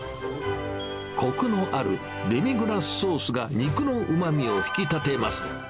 こくのあるデミグラスソースが肉のうまみを引き立てます。